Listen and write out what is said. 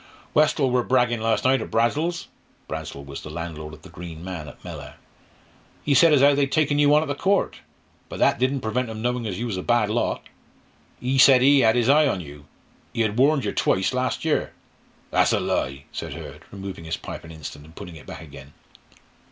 "Westall wor braggin' last night at Bradsell's" (Bradsell was the landlord of "The Green Man" at Mellor) "ee said as how they'd taken you on at the Court but that didn't prevent 'em knowin' as you was a bad lot. Ee said ee 'ad 'is eye on yer ee 'ad warned yer twoice last year " "That's a lie!" said Hurd, removing his pipe an instant and putting it back again.